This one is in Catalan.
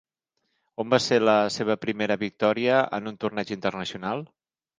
On va ser la seva primera victòria en un torneig internacional?